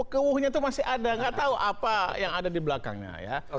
ke wuh nya itu masih ada nggak tahu apa yang ada di belakangnya ya